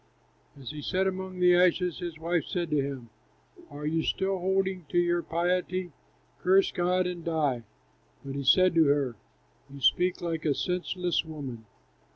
As he sat among the ashes, his wife said to him, "Are you still holding to your piety? Curse God and die." But he said to her, "You speak like a senseless woman.